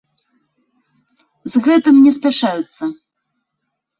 З гэтым не спяшаюцца.